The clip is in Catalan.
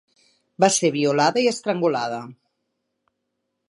Va ser violada i estrangulada.